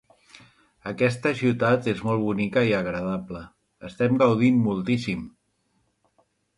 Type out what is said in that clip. Aquesta ciutat és molt bonica i agradable, estem gaudint moltíssim!